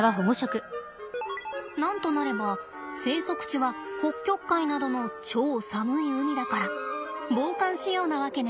なんとなれば生息地は北極海などの超寒い海だから防寒仕様なわけね。